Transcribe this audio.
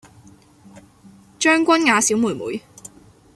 張君雅小妹妹